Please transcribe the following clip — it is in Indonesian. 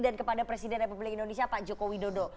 dan kepada presiden republik indonesia pak jokowi dodo